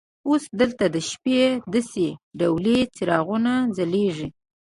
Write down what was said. اوس دلته د شپې داسې ډولي څراغونه ځلیږي.